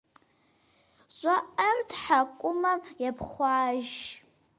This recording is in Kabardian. Щӏыӏэр тхьэкӏумэм епхъуащ.